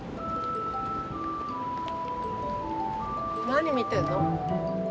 何見てんの？